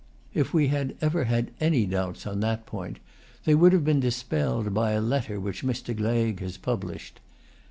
If we had ever had any doubts on that point, they would have been dispelled by a letter which Mr. Gleig has published.